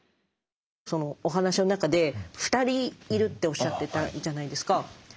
お話の中で二人いるっておっしゃってたじゃないですか。